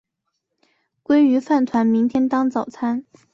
鲑鱼饭团明天当早餐